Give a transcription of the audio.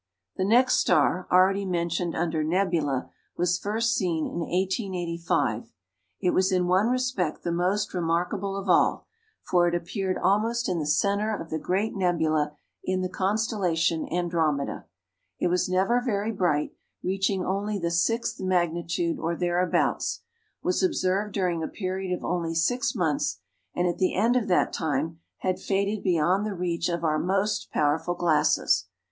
The next star, already mentioned under "nebula," was first seen in 1885. It was in one respect the most remarkable of all, for it appeared almost in the centre of the great nebula in the constellation Andromeda. It was never very bright, reaching only the sixth magnitude or thereabouts, was observed during a period of only six months, and at the end of that time had faded beyond the reach of our most powerful glasses.